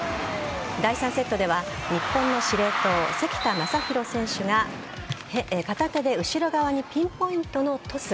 第３セットでは日本の司令塔・関田誠大選手が片手で後ろ側にピンポイントのトス。